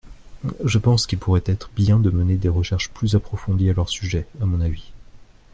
Je pense qu’il pourrait être bien de mener des recherches plus approfondies à leur sujet, à mon avis.